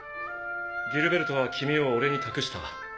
ギルベルトは君を俺に託した。